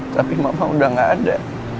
tapi mama udah gak ada